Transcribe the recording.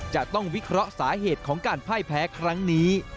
จะต้องวิเคราะห์สาเหตุของการพ่ายแพ้ครั้งนี้